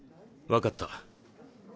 分かった。